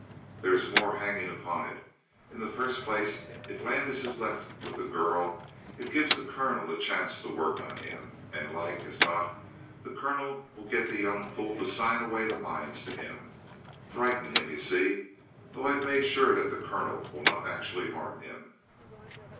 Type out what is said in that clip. "There is more hanging upon it. In the first place, if Landis is left with the girl it gives the colonel a chance to work on him, and like as not the colonel will get the young fool to sign away the mines to him frighten him, you see, though I've made sure that the colonel will not actually harm him."